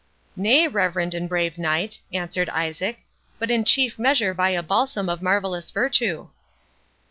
"Nay, reverend and brave Knight," answered Isaac, "but in chief measure by a balsam of marvellous virtue."